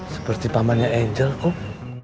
seperti pamannya angel kok